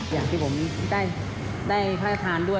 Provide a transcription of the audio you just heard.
อยากที่ผมได้พระธรรมด้วย